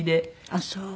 ああそう！